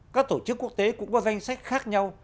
các tổ chức quốc tế cũng có danh sách khác nhau